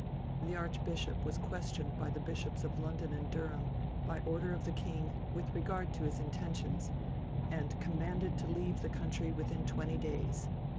The Archbishop was questioned by the Bishops of London and Durham, by order of the king, with regard to his intentions, and commanded to leave the country within twenty days.